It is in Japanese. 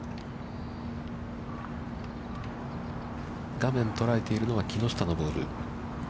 画面捉えているのは木下のボール。